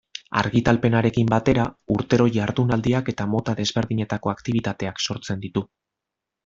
Argitalpenarekin batera urtero jardunaldiak eta mota desberdinetako aktibitateak sortzen ditu.